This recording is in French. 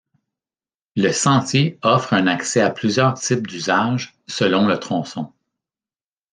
Le Sentier offre un accès à plusieurs types d’usages selon le tronçon.